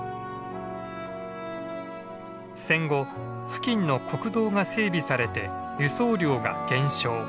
戦後付近の国道が整備されて輸送量が減少。